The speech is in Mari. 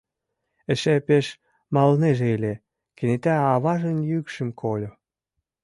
Эше пеш малынеже ыле, кенета аважын йӱкшым кольо: